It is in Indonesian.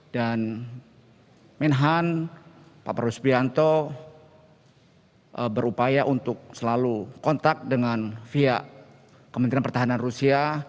dan menhan prabowo subianto berupaya untuk selalu kontak dengan via kementerian pertahanan rusia